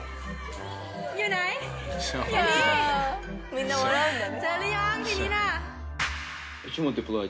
みんな笑うんだね。